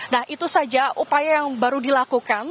nah itu saja upaya yang baru dilakukan